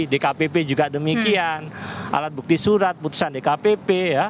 dkpp juga demikian alat bukti surat putusan dkpp